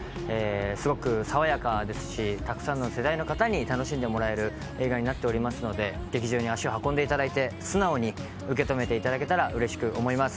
すごく爽やかですし、たくさんの世代の方に楽しんでもらえる映画になっておりますので劇場に足を運んでいただいて、素直に受け止めていただけたらと思います。